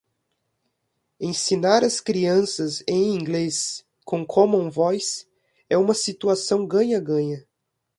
Ensinar as crianças em inglês com Common Voice é uma situação ganha-ganha.